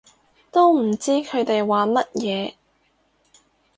都唔知佢哋玩乜嘢